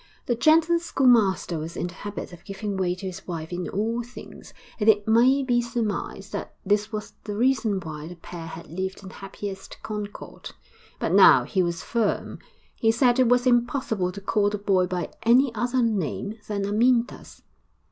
The gentle schoolmaster was in the habit of giving way to his wife in all things, and it may be surmised that this was the reason why the pair had lived in happiest concord; but now he was firm! He said it was impossible to call the boy by any other name than Amyntas.